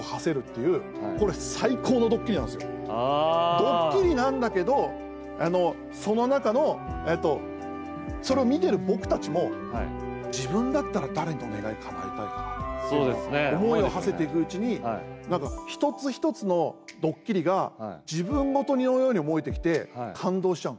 ドッキリなんだけどその中の、それを見てる僕たちも自分だったら、誰の願いかなえたいかなとかっていうのを思いをはせていくうちに一つ一つのドッキリが自分ごとのように思えてきて感動しちゃうの。